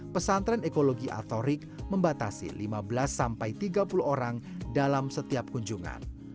pesantren ekologi altorik membatasi lima belas sampai tiga puluh orang dalam setiap kunjungan